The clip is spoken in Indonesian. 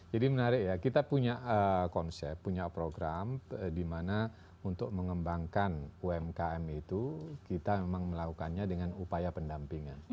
jadi menarik ya kita punya konsep punya program di mana untuk mengembangkan umkm itu kita memang melakukannya dengan upaya pendampingan